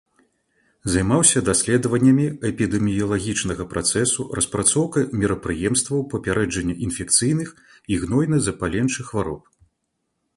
Займаўся даследаваннямі эпідэміялагічнага працэсу, распрацоўкай мерапрыемстваў папярэджання інфекцыйных і гнойна-запаленчых хвароб.